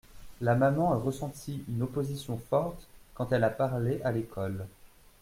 La maman a ressenti une opposition forte quand elle a parlé à l’école.